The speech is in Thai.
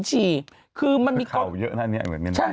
ฉี่เป็นยา